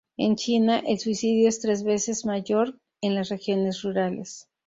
En China, el suicidio es tres veces mayor en las regiones rurales.